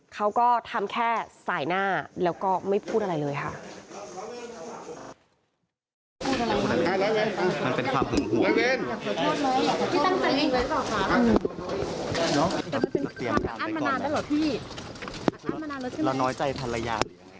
เขาก็ทำแค่สายหน้าแล้วก็ไม่พูดอะไรเลยค่ะ